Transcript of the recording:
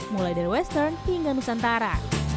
mulai dari western hingga nusantara